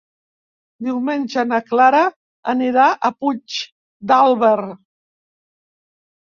Diumenge na Clara anirà a Puigdàlber.